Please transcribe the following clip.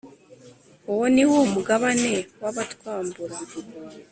Uwo ni wo mugabane w’abatwambura,